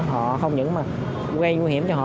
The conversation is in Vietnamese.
họ không những gây nguy hiểm cho họ